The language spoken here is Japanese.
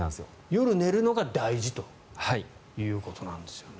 夜寝るのが大事ということですね。